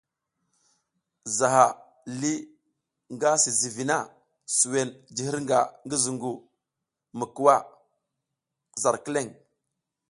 Zaha lih nga si zǝgwi na zuwen ji hirnga ngi zungu mi kuwa zar kileŋ.